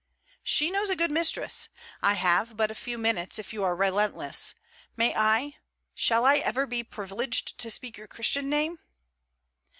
'She knows a good mistress. I have but a few minutes, if you are relentless. May I..., shall I ever be privileged to speak your Christian name?'